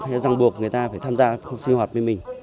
hay răng buộc người ta phải tham gia sinh hoạt với mình